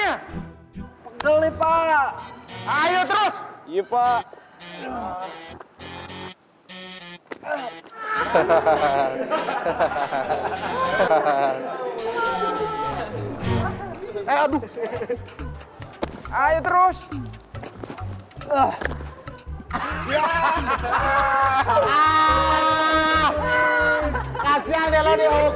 gak liat soalnya semalam itu dia gak nginep di rumah gue